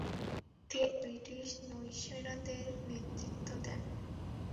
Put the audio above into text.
তিনি ব্রিটিশ নৌসেনাদের নেতৃত্ব দেন।